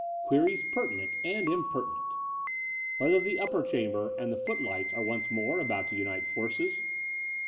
Queries Pertinent and Impertinent ... Whether the Upper Chamber and the Footlights are once more about to unite forces?